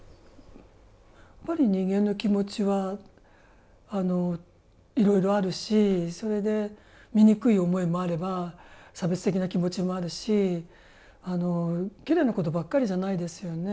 やっぱり人間の気持ちはいろいろあるしそれで醜い思いもあれば差別的な気持ちもあるしきれいなことばっかりじゃないですよね。